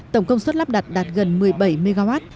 tổng công suất lắp đặt đạt gần một mươi bảy mw